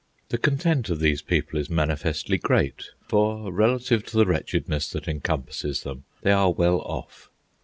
The content of these people is manifestly great, for, relative to the wretchedness that encompasses them, they are well off.